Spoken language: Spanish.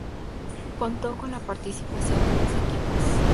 Contó con la participación de doce equipos.